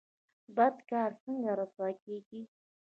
بد کار څنګه رسوا کیږي؟